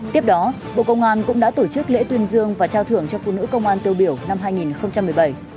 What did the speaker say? tiếp đó bộ công an cũng đã tổ chức lễ tuyên dương và trao thưởng cho phụ nữ công an tiêu biểu năm hai nghìn một mươi bảy